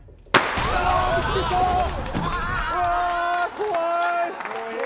怖い。